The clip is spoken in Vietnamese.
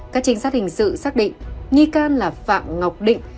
các trinh sát hình sự xác định nghi can là phạm ngọc định